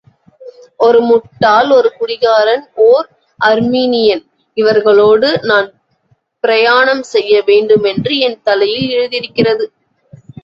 ஒரு முட்டாள், ஒரு குடிகாரன், ஓர் அர்மீனியன் இவர்களோடு நான் பிரயாணம் செய்ய வேண்டுமென்று என் தலையில் எழுதியிருக்கிறது.